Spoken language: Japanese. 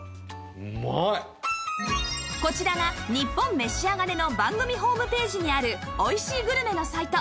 こちらが『ニッポンめしあがれ』の番組ホームページにある「おいしいグルメ」のサイト